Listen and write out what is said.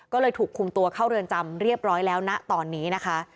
ก็เลยถูกคุมตัวเข้าเรือนจำเรียบร้อยแล้วนะตอนนี้นะคะ